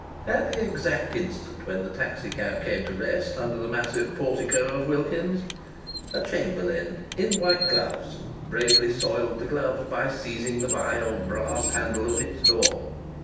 At the exact instant, when the taxi cab came to rest under the massive portico of Wilkins's, a chamberlain in white gloves bravely soiled the gloves by seizing the vile brass handle of its door.